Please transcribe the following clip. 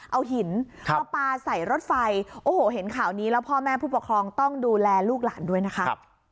เอาหินมาปลาใส่รถไฟโอ้โหเห็นข่าวนี้แล้วพ่อแม่ผู้ปกครองต้องดูแลลูกหลานด้วยนะคะ